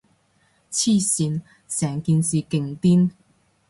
黐線，成件事勁癲